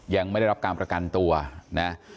ยังไม่ได้รับการประกันตัวนะ